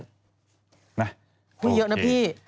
น่ะโอเคมาทุกอย่างคุณเยอะนะพี่